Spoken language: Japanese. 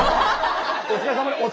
お疲れさまでした。